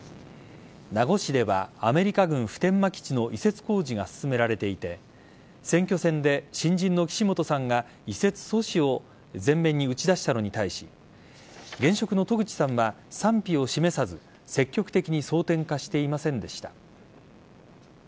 名護市ではアメリカ軍普天間基地の移設工事が進められていて選挙戦で新人の岸本さんが移設阻止を前面に打ち出したのに対し現職の渡具知さんは賛否を示さず積極的に争点化していませんでした。